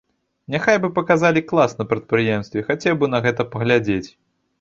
Няхай бы паказалі клас на прадпрыемстве, хацеў бы на гэта паглядзець.